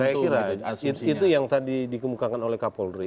saya kira itu yang tadi dikemukakan oleh kapolri